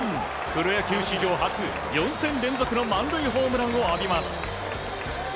プロ野球史上初、４戦連続の満塁ホームランを浴びます。